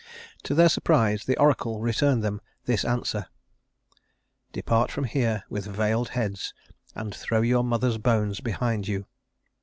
To their surprise the oracle returned them this answer: "Depart from here with veiled heads and throw your mother's bones behind you."